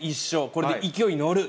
これで勢いに乗る。